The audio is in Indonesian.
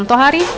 sebekas penukis j